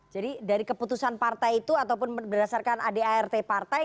jadi dari keputusan partai itu ataupun berdasarkan adart partai